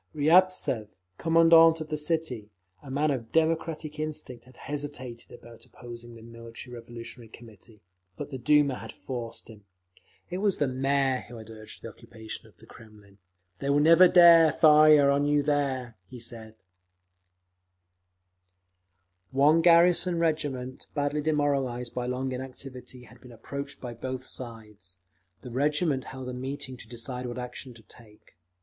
Riabtsev, Commandant of the city, a man of democratic instincts, had hesitated about opposing the Military Revolutionary Committee; but the Duma had forced him…. It was the Mayor who had urged the occupation of the Kremlin; "They will never dare fire on you there," he said…. One garrison regiment, badly demoralised by long inactivity, had been approached by both sides. The regiment held a meeting to decide what action to take.